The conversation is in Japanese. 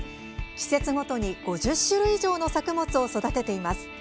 季節ごとに５０種類以上の作物を育てています。